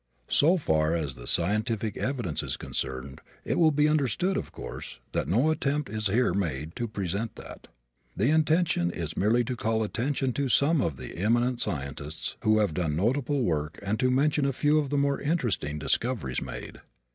So far as the scientific evidence is concerned, it will be understood, of course, that no attempt is here made to present that. The intention is merely to call attention to some of the eminent scientists who have done notable work and to mention a few of the more interesting discoveries made.